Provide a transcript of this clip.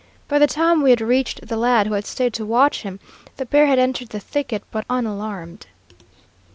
By the time we had reached the lad who had stayed to watch him, the bear had entered the thicket, but unalarmed.